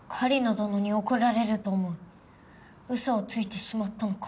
どのに怒られると思い嘘をついてしまったのか？